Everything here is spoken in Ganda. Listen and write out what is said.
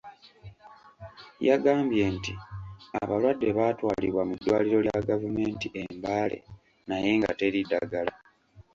Yagambye nti abalwadde baatwalibwa mu ddwaliro lya gavumenti e Mbale naye nga teri ddagala.